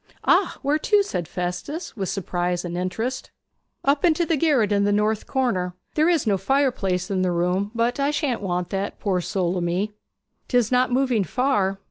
'Ah, where to?' said Festus, with surprise and interest. 'Up into the garret in the north corner. There is no fireplace in the room; but I shan't want that, poor soul o' me.' ''Tis not moving far.'